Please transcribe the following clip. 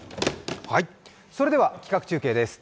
それでは企画中継です。